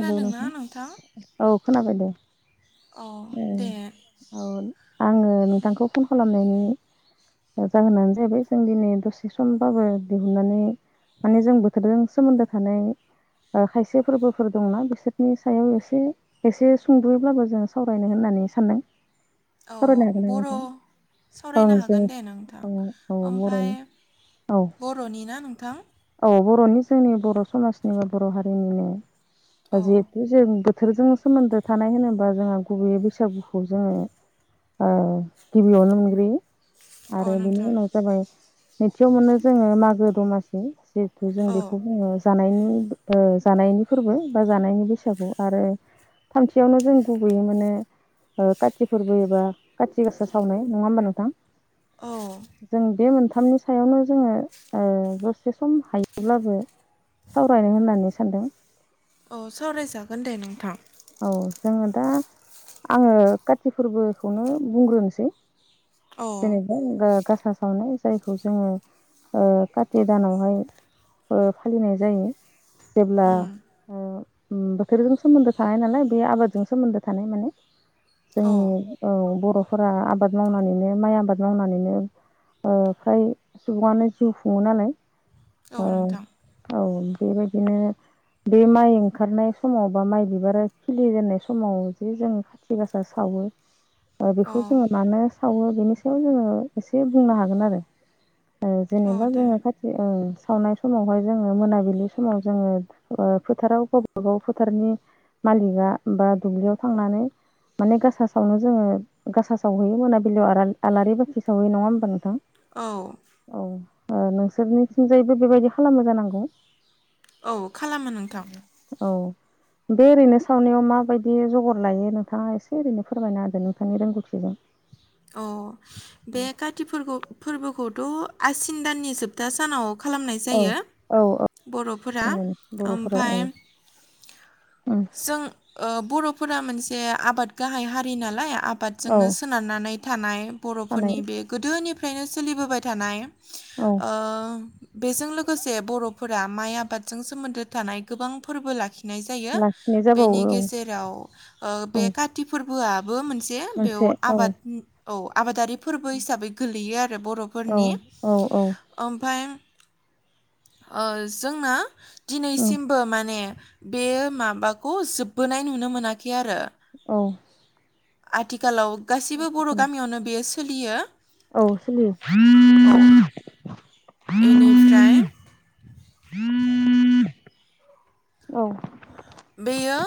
Hello नोंथां औ खोनाबाय दे। औ ए दे औ आङो नोंथांखौ फन खालामनायनि जाहोनानो जाहैबाय जों दिनै दसे समबाबो दिहुननानै। माने जों बोथोरजों सोमोन्दो थानाय खायसे फोरबो फोर दंना बिसोरनि सायाव एसे एसे सुंद'यैब्लाबो जों सावरायनो होननानै सानदों। औ सावरायनो हागोन ना बर' नोंथां सावरायनो ओं जों हागोन दे नोंथां औ ओमफ्राय बर'नि औ बर'नि ना नोंथां। औ बर'नि जोंनि बर' समाजनि बर' हारिनिनो औ जिहेथु जों बोथोरजों सोमोन्दो थानाय होनोबा जोंहा गुबैयै बैसागुखौ जोङो। औ गिबियावनो मोनग्रोयो औ आरो बेनि नोंथां उनाव जाबाय नैथियाव मोनो जोङो मागो दमासि जि थु जों औ बेखौ बुङो जानायनि जानायनि फोरबो बा जानायनि बैसागु आरो थामथियावनो जों गुबै माने काथि फोरबो एबा खाथि गसा सावनाय नङा होमबा नोंथां औ जों बे मोनथामनि सायावनो जोङो ओ। दसे सम हायोब्लाबो सावरायनो होननानै सानदों। औ सावरायजागोन दे नोंथां। औ जोङो दा आङो काति फोरबोखौनो बुंग्रोनोसै औ जेनेबा गा गासा सावनाय जायखौ जोङो ओ काति दानावहाय फालिनाय जायो जेब्ला उम ओ उम बोथोरजों सोमोन्दो थानाय नालाय बे आबादजों सोमोन्दो थानाय माने औ जोंनि औ बर' फोरा आबाद मावनानैनो माइ आबाद मावनानैनो ओ फ्राय सुबुङानो जिउ खुङो नालाय औ नोंथां औ बेबायदिनो बे माइ ओंखारनाय समाव बा माइ बिबार आरो खिलिजेननाय समाव जि जों खाथि गासा सावो। औ बेखौ जोङो मानो सावो बेनि सायाव जोङो एसे बुंनो हागोन आरो औ जेनेबा जोङो काति औ सावनाय समावहाय जोङो मोनाबिलि समाव जोङो फोथाराव गावबा गाव फोथारनि मालिकआ बा दुब्लियाव थांनानै माने गासा सावनो जोङो गासा सावहैयो मोनाबिलियाव आलारि बाखि सहयो नङा होमबा नोंथां? औ नोंसोरनिथिंजायैबो बेबायदि खालामो जानांगौ। औ खालामो नोंथां औ बे ओरैनो सावनायाव माबायदि जगर लायो नोंथाङा एसे ओरैनो फोरमायना होदो नोंथांनि रोंगौथिजों अ बे काति फोर फोरबोखौथ' आसिन दाननि सोबथा सानाव खालामनाय औ जायो औ बर'फोरा बर'फोरा ओमफ्राय औ उम जों ओ बर' फोरा मोनसे आबाद गाहाय हारि नालाय औ आबादजोंनो सोनारनानै थानाय थानाय बर'फोरनि बे गोदोनिफ्रायनो सोलिबोबाय थानाय औ ओ बेजों लोगोसे बर'फोरा माइ आबादजों सोमोन्दो थानाय गोबां फोरबो लाखि नाय जायो लाखिनाय जाबावो बेनि औ गेजेराव औ बे काति फोरबोआ बो मोनसे बेयाव आबाद आबादारि औ फोरबो हिसाबै गोलैयो आरो औ बर'फोरनि औ औ ओमफाय ओ जोंना उम दिनैसिमबो माने बे माबाखौ जोबबोनाय नुनो मोनाखै आरो औ आथिखालाव गासिबो बर' गामियावनो बेयो सोलियो। औ सोलियो। औ बेनिफ्राय औ बेयो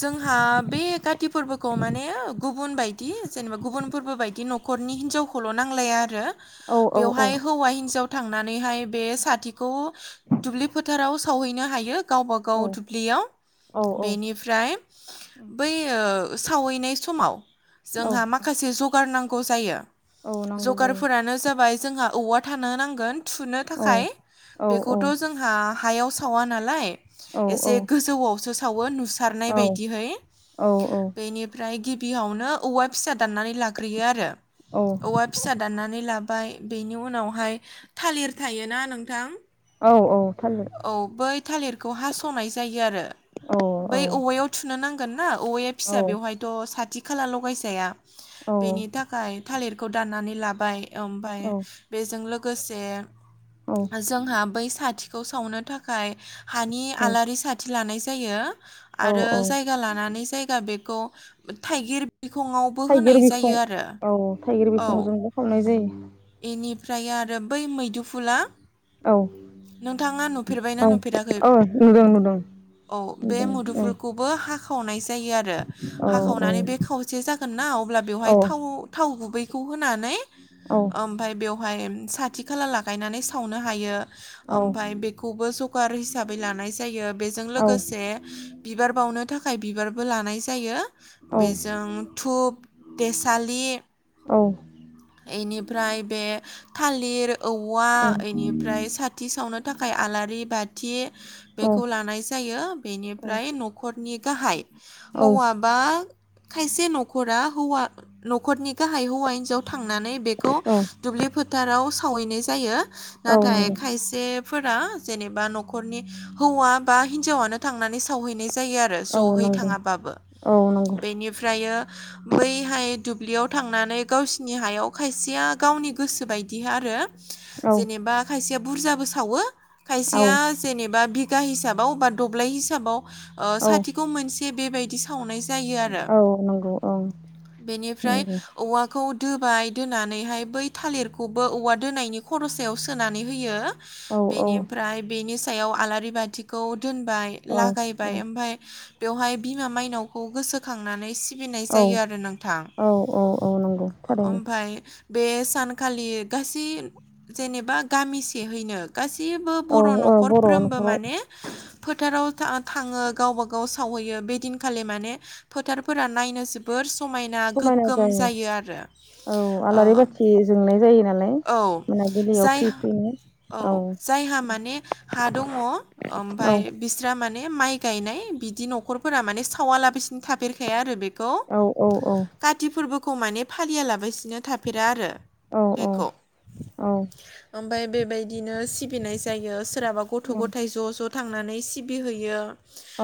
जोंहा बे काति फोरबोखौ माने गुबुन बायदि जेनेबा गुबुन फोरबो बायदि न'खर न'खरनि हिनजावखौल' नांलाया आरो औ औ बेवहाय हौवा हिनजाव थांनानैहाय बे साथिखौ दुब्लि फोथाराव सावहैनो हायो गावबा गाव दुब्लियाव औ बेनिफ्राय बै ओ सावैनाय समाव औ जोंहा माखासे जगार नांगौ जायो औ नांगौ जायो जगारफोरानो जाबाय जोंहा औवा थानो नांगोन थुनो औ थाखाय औ औ बेखौथ' जोंहा हायाव सावा नालाय औ एसे औ गोजौयावसो सावो नुसारनाय बायदिहै औ बेनिफ्राय गि बियावनो औवा फिसा दाननानै लाग्रोयो आरो औवा फिसा दाननानै ला बाय बेनि उनावहाय थालिर थायोना नोंथां औ औ थालिर औ बै थालिरखौ हास'नाय जायो आरो औ औ बै औवायाव थुनो नांगौ ना औवाया औ फिसा बेवहायथ' साथि खाला लगायजाया बेनि थाखाय थालिरखौ दाननानै लाबाय ओमफ्राय औ बेजों लोगोसे जोंहा बै साथिखौ सावनो थाखाय हानि आलारि साथि लानाय जा जायो औ आरो औ जायगा लानानै जायगा बेखौ थाइगिर बिखङावबो थाइगिर होनाय बिखं जायो आरो औ थाइगिर औ बिखंयाव जोंबो खावनाय जायो बेनिफ्राय आरो बै मैदुफुला औ नोंथाङा नुफेरबायना औ नुफेराखै औ नुदों नुदों औ बे नुदों औ मुदुफोरखौबो हाख खावनाय जायो आरो औ हाखावनानै बे औ खावसे जागोन ना अब्ला बेवहाय औ थाव थाव गुबै खौ होनानै औ ओमफाय बेवहाय साथि खाला लागायनानै सावनो हायो नंगौ ओमफाय बेखौबो ज गार हिसाबै लानाय जायो बेजों औ लोगोसे बिबार बावनो थाखाय बिबारबो लानाय जायो बेजों धुप देसालि एनि फ्राय बे थालिर औवा बेनिफ्राय साथि सावनो थाखाय आलारि बाथि बेखौ लानाय जायो बेनिफ्राय न'खरनि गाहाय हौवाबा खायसे नखरा न'खरनि गाहाय हौवा हिनजाव थांनानै दुब्लि फोथाराव सावनायहैनाय जायो नाथाय खायसे फोरा जेनेबा न'खरनि हौवा बा हिनजावनो थांनानै सावहैनाय जायो आरो जयै नंगौ थाङाबाबो औ नंगौ बेनिफ्रायो बैहाय दुब्लियाव थांनानै गावसिनि हायाव खायसेया गावनि गोसो बायदि आरो औ जेनेबा खायसेया बुरजाबो सावो औ खायसेया जेनेबा बिगा हिसाबाव बा दब्लाय हिसाबाव आ औ साथिखौ मोनसे बेबायदि सावनाय जायो आरो औ नंगौ औ बेनिफ्राय नंगौ औवा खौ दोबाय दोनानैहाय बै थालिरखौबो औवा दोनायनि खरसायाव सोनानै होयो औ बेनिफ्राय बेनि सायाव आलारि बाथिखौ दोनबाय औ लागायबाय ओमफ्राय बेवहाय बिमा मायनावखौ गोसोखांनानै सि बिनाय औ जायो आरो नोंथां औ औ नंगौ ओम थारैनो बे सानखालि गासै जेनेबा गामिसेहैनो गासै सैबो औ बर' औ बर' न'खरफ्रोमबो न'खराव माने फोथाराव था थाङो गावबा गाव सावहैयो बेदिनखालि माने फोथारफोरा नायनो जोबोर समायना गोगोम जायो आरो औ ओ आलारि बाथि जोंनाय जायो नालाय औ मोनाबिलियाव जाय ख्रि ख्रिनो औ जायहा माने हा दङ औ ओमफ्राय बिस्रा माने माइ गायनाय बिदि न'खरफोरा माने सावालाबसिनो थाफेरखाया आरो बे बे खौ औ औ औ काति फोरबोखौ माने फालियालाबायसिनो थाफेरा आरो औ औ बेखौ औ ओमफ्राय बेबायदिनो सिबिनाय जायो सोरहाबा गथ' गथाय ज' ज' थांनानै सिबिहैयो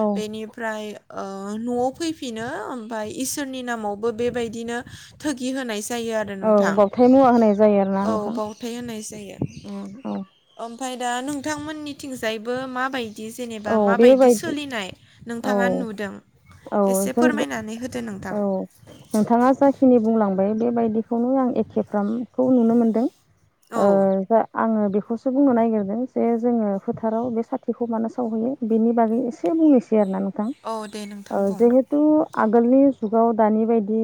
औ बेनिफ्राय ओ न'आव फैफिनो ओमफ्राय इसोरनि नामावबो बेबायदिनो थोगि होनाय जायो आरो नोंथां बावथाय मुवा होनाय जायो आरोना औ नोंथां बावथाय होननाय जायो औ ओमफ्राय दा नोंथांमोननिथिंजायबो माबाय बिदि जेनेबा औ माबायदि बेबायदि सोलिनाय औ नोंथाङा नुदों औ एसे जोंबो फोरमायनानै होदो नोंथां औ नोंथाङा जाखिनि बुंलां ओमफ्राय बेबायदिखौनो आं एखेफ्रामखौ नुनो मोनदों औ ओ जा आङो बेखौसो बुंनो नागिरदों जे जोङो फोथाराव बे साथिखौ मानो सावहैयो बेनि बागै एसे बुंनोसै आरोना नोंथां औ दे नोंथां बुं जिहेथु आगोलनि जुगाव दानि बायदि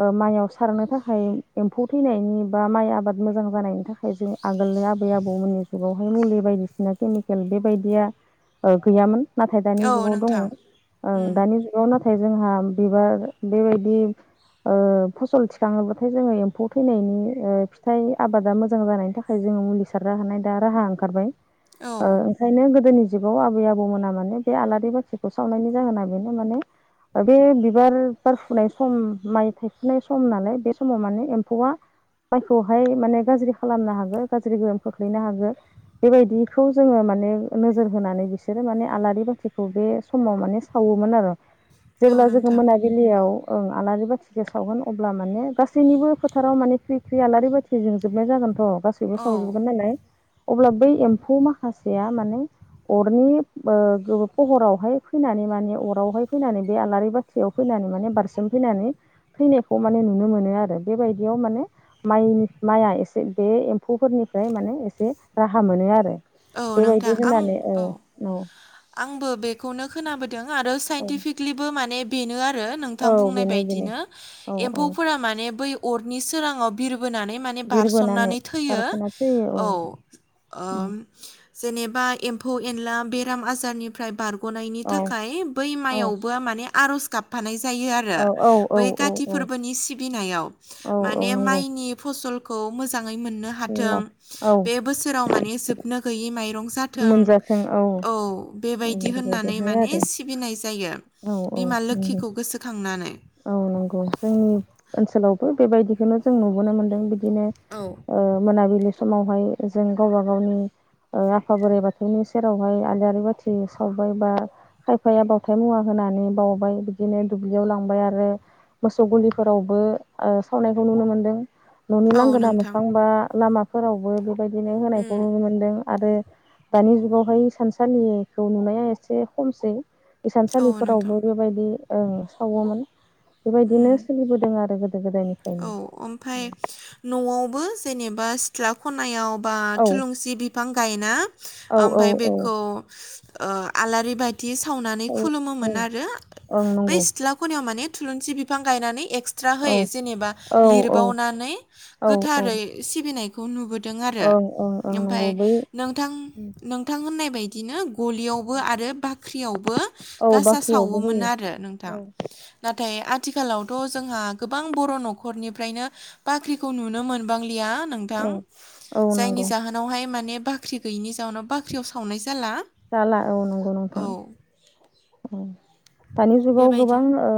ओ माइआव सारनो थाखाय एम्फौ थैनायनि बा माइ आबाद मोजां जानायनि थाखाय जों आगोलनो आबै आबौमोननि जुगावहाय मुलि बायदिसिना केमिकेल बेबायदिया ओ गैयामोन नाथाय दानि औ जुगाव दङ ओ नोंथां उम दानि जुगाव नाथा नाथाय जोंहा बिबार बेबायदि ओ फसल थिखाङोब्लाथाय जोङो एम्फौ थैनायनि ओ फिथाइ आबादा मोजां जानायनि थाखाय जों मुलि सारनो हानाय दा रा ओंखारबाय औ ओ ओंखायनो गोदोनि जिबाव आबै आबौमोना माने बे आलारि बाथिखौ सावनायनि जाहोना बेनो माने बे बिबार बार फुनाय सम माइ थाइफुनाय सम नालाय बे समाव माने एम्फौआ माइखौहाय माने गाज्रि खालामनो हागोन गाज्रि गोहोम खोख्लैनो हागोन बेबायदिखौ जोङो माने नोजोर नोजोर होनानै बिसोरो माने आलारि बाथिखौ बे समाव माने सावोमोन आरो। औ जेब्ला जोङो नोंथां मोनाबिलियाव ओ आलारि बाथिखौ सावगोन अब्ला माने गासैनिबो फोथाराव माने ख्रि ख्रि आलारि बाथि जों जोबनाय जागोनथ' गासैबो औ सावजोबगोन नालाय अब्ला बै एम्फौ माखासेया माने अरनि फहरावहाय फैनानै माने अरावहाय फैनानै बे आलारि बाथियाव फैनानै माने बारसोमफैनानै थैनायखौ माने नुनो मोनो आरो बेबायदियाव माने माइनि माइया एसे बे एम्फौफोरनिफ्राय माने एसे राहा मोनो आरो। औ नोंथां बेबायदि आं होनानै औ आंबो बेखौनो खोनाबोदों आरो। औ साइन्टिफिकलिबो माने बेनो आरो नोंथां औ बुंनाय बेनो बेनो बायदिनो औ औ एम्फौफोरा माने बै अरनि सोराङाव बिर बोनानै माने बिरबोनानै बारसननानै थैयो बारस'ना फैयो औ ओ जेनेबा एम्फौ एनला बेराम आजारनिफ्राय बारग' गनायनि औ थाखाय बै औ माइयावबो माने आर'ज गाबफानाय जा यो आरो औ औ औ बै काथि औ फोरबोनि सिबिनायाव औ औ माने नंगौ माइनि फसल खौ मोजाङै मोननो हाथों औ बे बोसोराव माने जोबनो गैयै माइ माइरं जाथों औ बेबायदि होननानै बेबायदिहाय माने आरो सिबिनाय जायो। औ औ बिमा नंगौ लोखिखौ गोसोखांनानै औ नंगौ जोंनि ओनसोलावबो बेबायदि नो जों नुबोनो मोनदों। बिदिनो औ ओ मोनाबिलि समावहाय जों गावबा गावनि ओ आफा बोराइ बाथौनि सेरावहाय आलारि बाथि सावबाय बा खायफाया बाथाय मुवा होनानै बावबाय बिदिनो दुब्लियाव लांबाय आरो। मोसौ गलिफोरावबो ओ सावनायखौ नुनो मोनदों। न'नि औ लांगोना नोंथां मोखां बा लामाफोरावबो बेबायदिनो होनायखौ नुनो मोनदों आरो। दानि जुगावहाय इसानसालिखौ नुनाया एसे खमसै औ इसानसालिफोरावबो नोंथां बेबायदि सावोमोन। बेबायदिनो ओम सोलिबोदों आरो गोदो औ गोदायनिफ्रायनो ओमफ्राय न'आवबो जेनेबा बा सिथ्ला खनायाव बा औ थुलुंसि बिफां गायना औ औ ओमफाय औ बेखौ ओ आलारि बाथि बाथि सावनानै औ औ खुलुमोमोन आरो ओं बै नंगौ सिथ्ला खनायाव माने थुलुंसि बिफां गायनानै एक्सट्रा औ होयो जेनेबा औ औ लिरबावनानै औ औ गोथारै सिबिनायखौ नुबोदों। दों आरो ओं ओं ओं ओमफाय नंगौ बै नोंथां नोंथां होननाय बायदिनो गलियावबो आरो बाख्रियावबो औ गासा बाख्रियावबो सावोमोन होयो आरो नोंथां। औ नाथाय आथिखालावथ' जोंहा गोबां बर' न'खरनिफ्रायनो बाख्रिखौ नुनो मोनबांलिया नोंथां औ औ जायनि नंगौ जाहोनावहाय माने बाख्रि गैयैनि जोनाव बाख्रियाव सावनाय जायो। ला जाला नंगौ नोंथां औ औ दानि जुगाव बेबायदि गोबां ओ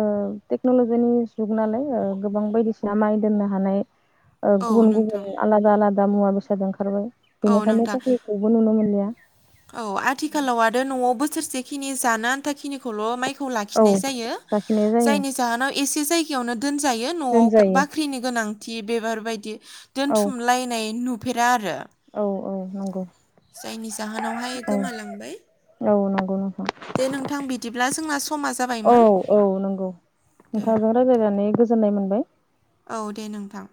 टेक्न'ल'जिनि जुग नालाय गोबां बायदिसिना माइ दोननो हानाय ओ औ गुबुन नोंथां गुबुन आलादा आलादा मुवा बेसाद ओंखारबाय औ बेनिखायनो नोंथां गासैखौबो नुनो मोनलिया औ आथिखालाव आरो न'वाव बोसोरसे खिनि जानो आथा खिनिखौल' माइ खौ औ लाखिनाय जायो लाखिनाय जायो जायनि जाहोनाव एसे जायगायावनो दोनजायो न'वाव दोनजायो बाख्रिनि गोनांथि बेबार बायदि औ दोनथुमलायनाय नु नुफेरा आरो औ औ नांगौ जायनि जाहोनावहाय गोमालांबाय औ नंगौ नंगौ दे नोंथां बिदिब्ला जोंना समा औ जाबायमोन औ नंगौ दे नोंथांजों रायज्लायनानै गोजोन्नाय मोन्दों। औ दे नोंथां